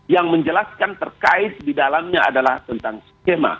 yang menjelaskan terkait di dalamnya adalah tentang skema